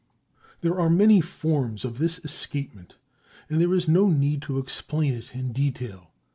There are many forms of this escapement and there is no need to explain it in detail.